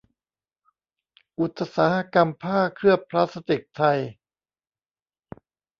อุตสาหกรรมผ้าเคลือบพลาสติกไทย